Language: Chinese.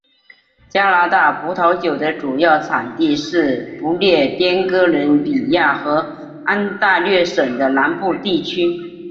加拿大葡萄酒的主要产地是不列颠哥伦比亚和安大略省的南部地区。